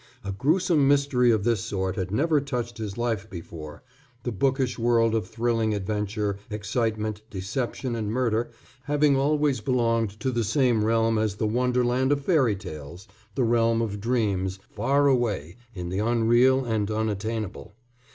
A gruesome mystery of this sort had never touched his life before, the bookish world of thrilling adventure, excitement, deception and murder having always belonged to the same realm as the wonderland of fairy tales, the realm of dreams, far away, in the unreal and unattainable.